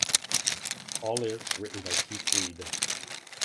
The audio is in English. All lyrics written by Keith Reid.